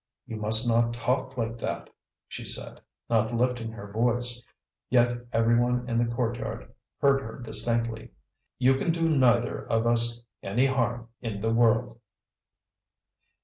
"You must not talk like that," she said, not lifting her voice yet every one in the courtyard heard her distinctly. "You can do neither of us any harm in the world."